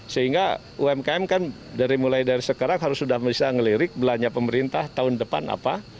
sehingga umkm kan dari mulai dari sekarang harus sudah bisa ngelirik belanja pemerintah tahun depan apa